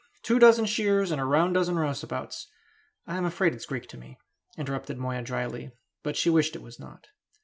Two dozen shearers and a round dozen rouseabouts " "I'm afraid it's Greek to me," interrupted Moya dryly; but she wished it was not.